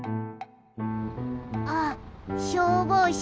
あっしょうぼうしゃだ！